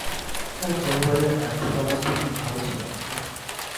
তার পরিবারের আর্থিক অবস্থা খুব ভাল ছিল না।